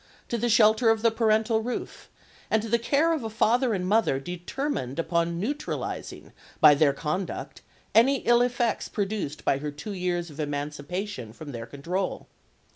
to the shelter of the parental roof, and to the care of a father and mother determined upon neutralising by their conduct any ill effects produced by her two years of emancipation from their control.